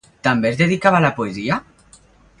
També es dedicava a la poesia?